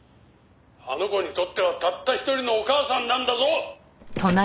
「あの子にとってはたった一人のお母さんなんだぞ！」